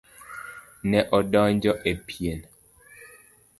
Ne odonjo e pien.